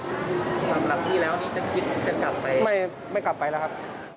ลำลำที่แล้วนี่จะขึ้นหรือกลับไปไม่กลับไปแล้วครับ